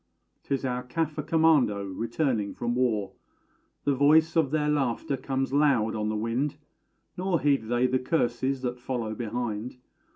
'Tis our Caffer Commando returning from war: The voice of their laughter comes loud on the wind, Nor heed they the curses that follow behind.